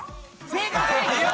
正解！